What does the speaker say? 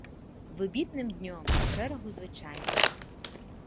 Выбітным днём у шэрагу звычайных.